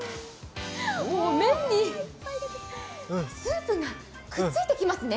麺にスープがくっついてきますね。